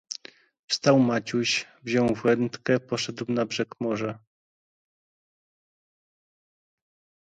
"Wstał Maciuś, wziął wędkę, poszedł na brzeg morza."